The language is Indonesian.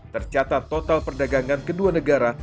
tercatat total perdagangan kedua negara